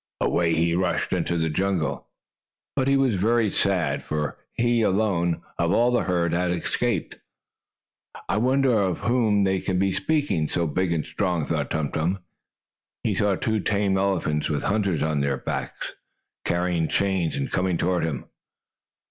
Away he rushed into the jungle. But he was very sad, for he alone, of all the herd, had escaped. "I wonder of whom they can be speaking, so big and strong," thought Tum Tum. He saw two tame elephants, with hunters on their backs, and carrying chains, coming toward him.